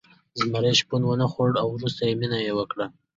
زمري شپون ونه خوړ او ورسره مینه یې وکړه.